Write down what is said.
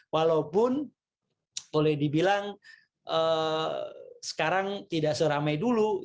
walaupun boleh dibilang sekarang tidak seramai dulu